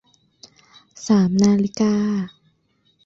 สามนาฬิกา